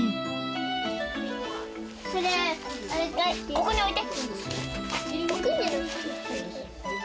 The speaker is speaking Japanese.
ここに置いて。